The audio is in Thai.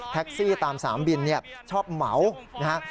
แท็กซี่ตามสามบินชอบเหมานะครับ